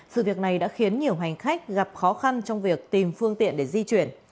sự việc này đã khiến nhiều hành khách gặp khó khăn trong việc tìm phương tiện để di chuyển